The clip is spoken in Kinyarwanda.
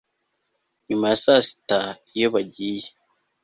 nyuma ya saa sita iyo bagiye